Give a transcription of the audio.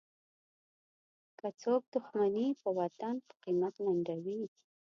که څوک دوښمني په وطن په قیمت لنډوي.